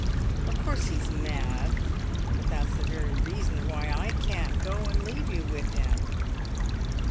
Of course he's mad; but that's the very reason why I can't go and leave you with him."